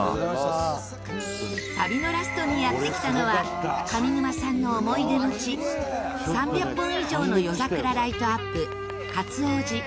旅のラストにやって来たのは上沼さんの思い出の地３００本以上の夜桜ライトアップ勝尾寺。